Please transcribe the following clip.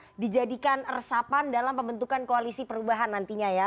itu tadi dijadikan pesan dijadikan resapan dalam pembentukan koalisi perubahan nantinya ya